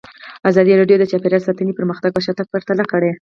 ازادي راډیو د چاپیریال ساتنه پرمختګ او شاتګ پرتله کړی.